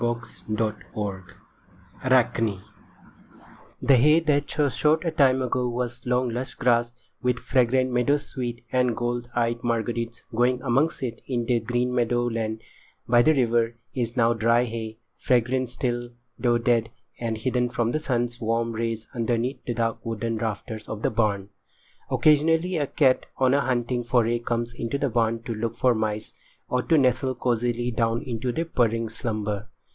[Pg 82] ARACHNE The hay that so short a time ago was long, lush grass, with fragrant meadow sweet and gold eyed marguerites growing amongst it in the green meadow land by the river, is now dry hay—fragrant still, though dead, and hidden from the sun's warm rays underneath the dark wooden rafters of the barn. Occasionally a cat on a hunting foray comes into the barn to look for mice, or to nestle cosily down into purring slumber.